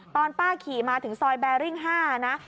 ตอนป้าขี่มาถึงซอยแบริ่ง๕นะ